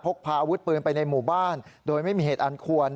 พกพาอาวุธปืนไปในหมู่บ้านโดยไม่มีเหตุอันควร